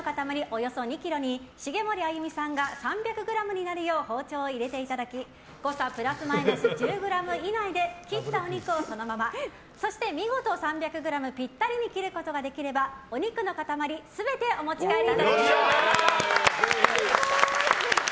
およそ２ｋｇに茂森あゆみさんが３００ｇになるよう包丁を入れていただき誤差プラスマイナス１０ｇ以内で切ったお肉をそのままそして見事３００ｇぴったりに切ることができればお肉の塊全てお持ち帰りいただけます。